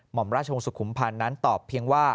อมราชวงศ์สุขุมพันธ์นั้นตอบเพียงว่า